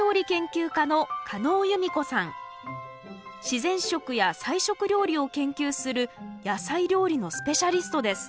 自然食や菜食料理を研究する野菜料理のスペシャリストです。